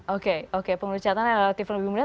oke pengerucutannya relatif lebih mudah